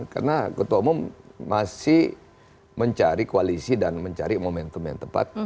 karena ketua umum masih mencari koalisi dan mencari momentum yang tepat